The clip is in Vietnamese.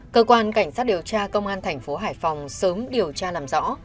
cơ quan cảnh sát điều tra công an thành phố hải phòng sớm điều tra làm rõ